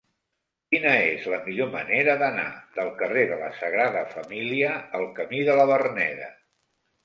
Quina és la millor manera d'anar del carrer de la Sagrada Família al camí de la Verneda?